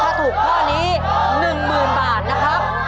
ถ้าถูกข้อนี้๑๐๐๐บาทนะครับ